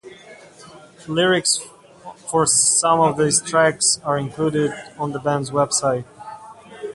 Lyrics for some of these tracks are included on the band's website.